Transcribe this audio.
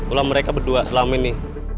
ulah mereka berdua selama ini